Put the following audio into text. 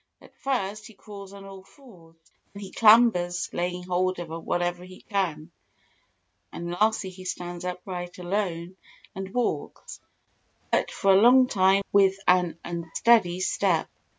At first he crawls on all fours, then he clambers, laying hold of whatever he can; and lastly he stands upright alone and walks, but for a long time with an unsteady step.